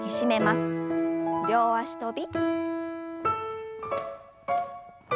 両脚跳び。